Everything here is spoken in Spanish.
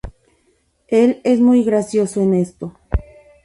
Él es muy gracioso en esto.